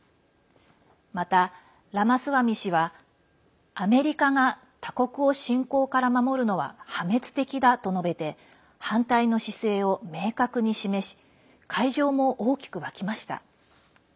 また、ラマスワミ氏はアメリカが他国を侵攻から守るのは破滅的だと述べて反対の姿勢を明確に示し会場も大きく沸きました。